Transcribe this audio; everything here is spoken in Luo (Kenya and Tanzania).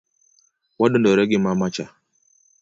Wadondore gi mama cha.